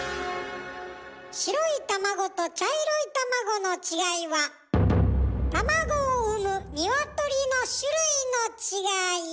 白い卵と茶色い卵の違いは卵を産む鶏の種類の違い。